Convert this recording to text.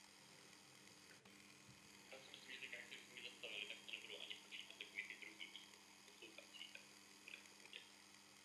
Jde o nejvýznamnější a nejoblíbenější dílo vietnamské literatury vůbec.